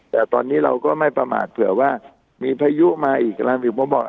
แต่ตอนนี้เราก็ไม่ประมาทเผื่อว่ามีพายุมาอีกกำลังอีกผมบอก